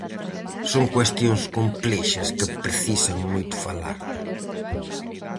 Son cuestións complexas que precisan moito falar.